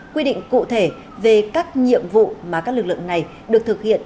quy định cụ thể về các nhiệm vụ mà các lực lượng này được thực hiện